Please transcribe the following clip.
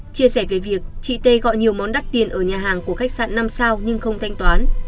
chia sẻ về việc chị t gọi nhiều món đắt tiền ở nhà hàng của khách sạn năm sao nhưng không thanh toán